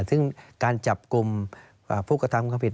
ซึ่งการจับกลุ่มนักศึกษาปกฤษ